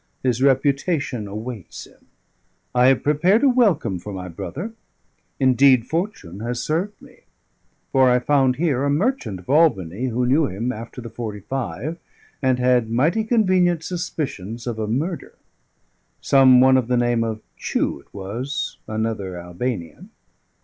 His reputation awaits him; I have prepared a welcome for my brother. Indeed, fortune has served me; for I found here a merchant of Albany who knew him after the 'Forty five, and had mighty convenient suspicions of a murder: some one of the name of Chew it was, another Albanian.